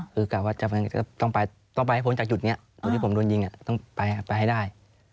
คือกลับว่าต้องไปให้พ้นจากจุดนี้จุดที่ผมโดนยิงต้องไปให้ได้